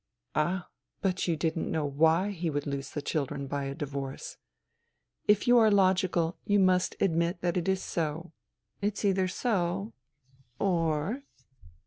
" Ah, but you didn't know why he would lose the children by a divorce. If you are logical you must admit that it is so. It's either so, or •"" Or